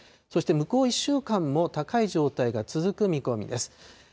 そして向こう１週間も高い状態が続く見込みです。